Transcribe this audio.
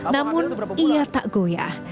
namun ia tak goyah